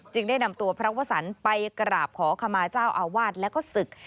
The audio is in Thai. ได้นำตัวพระวสันไปกราบขอขมาเจ้าอาวาสแล้วก็ศึก